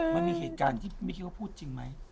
มันมีเหตุการณ์ที่ไม่คิดว่าพูดจริงไหม